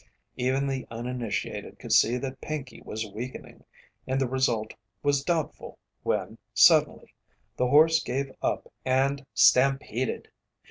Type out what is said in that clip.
Even the uninitiated could see that Pinkey was weakening, and the result was doubtful, when, suddenly, the horse gave up and stampeded.